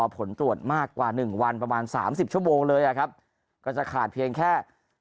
ผลตรวจมากกว่า๑วันประมาณ๓๐ชั่วโมงเลยครับก็จะขาดเพียงแค่